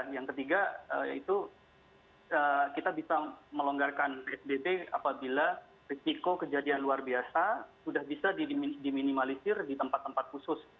yang ketiga yaitu kita bisa melonggarkan psbb apabila risiko kejadian luar biasa sudah bisa diminimalisir di tempat tempat khusus